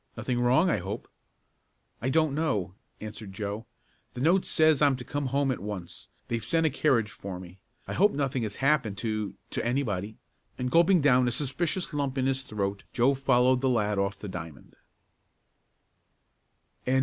Nothing wrong I hope." "I don't know," answered Joe. "The note says I'm to come home at once. They've sent a carriage for me. I hope nothing has happened to to anybody," and gulping down a suspicious lump in his throat Joe followed the lad off the diamond.